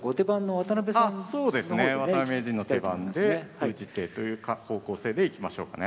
渡辺名人の手番で封じ手という方向性でいきましょうかね。